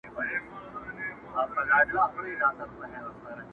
له ګرېوانه یې شلېدلي دُردانې وې،